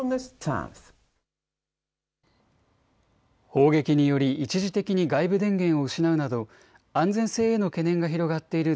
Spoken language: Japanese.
砲撃により一時的に外部電源を失うなど安全性への懸念が広がっている